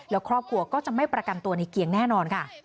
แล้วครอบครัวก็จะไม่ประกันตัวในเกียงแน่นอนค่ะ